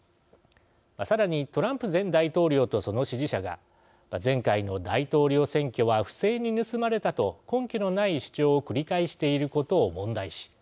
さらにトランプ前大統領とその支持者が前回の大統領選挙は不正に盗まれたと根拠のない主張を繰り返していることを問題視。